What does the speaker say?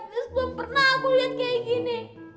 belum pernah aku liat kaya gini